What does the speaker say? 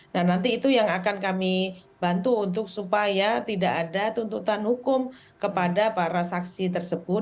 nah nanti itu yang akan kami bantu untuk supaya tidak ada tuntutan hukum kepada para saksi tersebut